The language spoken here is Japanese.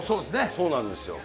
そうなんですよ。